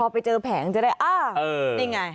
ไปเจอแผงจะได้อ้าวนี่ไง